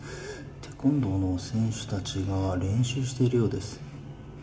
テコンドーの選手たちが練習しているようです